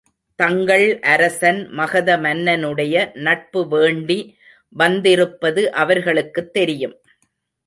தங்கள் அரசன் மகத மன்னனுடைய நட்பு வேண்டி வந்திருப்பது அவர்களுக்குத் தெரியும்.